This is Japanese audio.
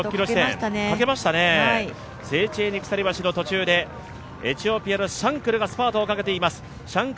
セーチェーニ鎖橋の途中でエチオピアのシャンクルがスパートをかけています。